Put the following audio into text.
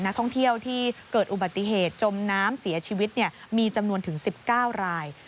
นักท่องเที่ยวที่เกิดอุบัติเหตุจมน้ำเสียชีวิตมีจำนวนถึง๑๙ราย